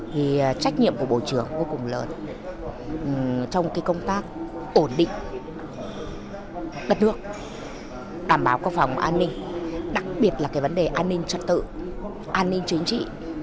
thì trách nhiệm của bộ trưởng vô cùng lớn trong cái công tác ổn định đất nước đảm bảo các phòng an ninh đặc biệt là cái vấn đề an ninh trật tự an ninh chính trị